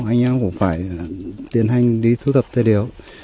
anh em cũng phải tiến hành đi thu thập tư điều